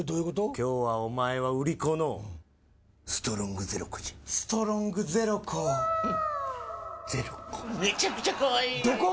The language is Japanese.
今日はお前は売り子のうんストロングゼロ子じゃストロングゼロ子ゼロ子めちゃくちゃ可愛いー